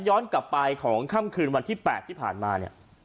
ย้อนกลับไปของค่ำคืนวันที่๘ที่ผ่านมาเนี่ย